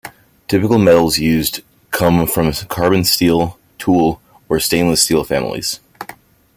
Typical metals used come from the carbon steel, tool, or stainless steel families.